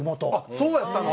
そうやったの？